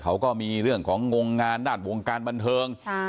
เขาก็มีเรื่องของงงงานด้านวงการบันเทิง